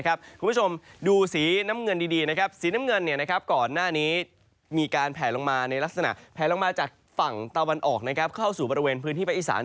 คุณผู้ชมดูสีน้ำเงินดีสีน้ำเงินก่อนหน้านี้มีการแผลลงมาในลักษณะแผลลงมาจากฝั่งตะวันออกเข้าสู่บริเวณพื้นที่ภาคอีสาน